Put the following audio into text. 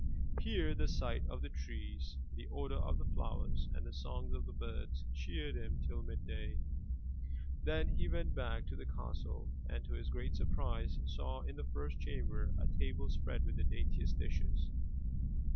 Here the sight of the trees, the odor of the flowers and the songs of the birds cheered him till midday. Then he went back to the castle and to his great surprise, saw in the first chamber a table spread with the daintiest dishes.